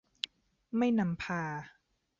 ไม่นำพา